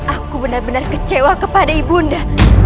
aku benar benar kecewa kepada ibunda